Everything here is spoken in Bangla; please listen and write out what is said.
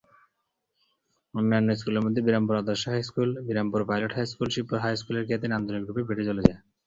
অন্যান্য স্কুলের মধ্যে বিরামপুর আদর্শ high school, Birampur pilot high school, Shibpur high school এর খ্যাতি নান্দনিক রূপে বেড়ে চলেছে।